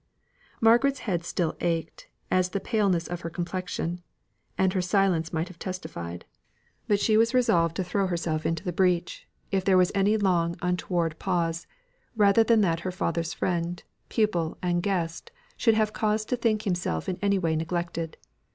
Margaret's head still ached, as the paleness of her complexion, and her silence might have testified; but she was resolved to throw herself into the breach, if there was any long untoward pause, rather than that her father's friend, pupil, and guest should have cause to think himself in any way neglected.